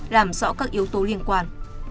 làm rõ các yếu tố liên quan